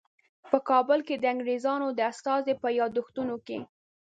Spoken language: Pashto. په کابل کې د انګریزانو د استازي په یادښتونو کې.